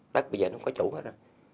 đất bây giờ nó không có chủ hết á